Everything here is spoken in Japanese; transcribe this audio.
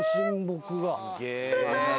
すごーい。